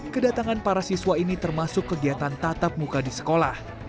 kedatangan para siswa ini termasuk kegiatan tatap muka di sekolah